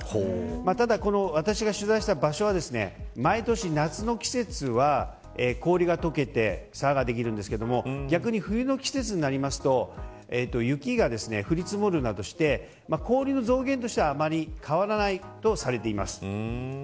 ただ、私が取材した場所は毎年夏の季節は氷が解けて沢ができるんですけれども逆に冬の季節になると雪が降り積もるなどして氷の増減としてはあまり変わらないとされています。